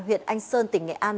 huyện anh sơn tỉnh nghệ an